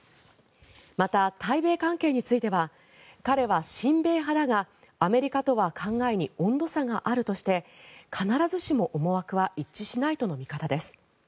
また、対米関係については彼は親米派だがアメリカとは考えに温度差があるとして必ずしも思惑は一致しないとの見方です。